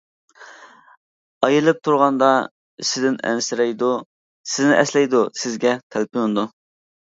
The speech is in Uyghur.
ئايرىلىپ تۇرغاندا، سىزدىن ئەنسىرەيدۇ، سىزنى ئەسلەيدۇ، سىزگە تەلپۈنىدۇ.